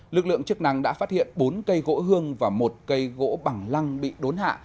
lực lượng chức năng đã phát hiện bốn cây gỗ hương và một cây gỗ bằng lăng bị đốn hạ